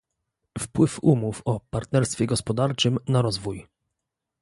Wpływ umów o partnerstwie gospodarczym na rozwój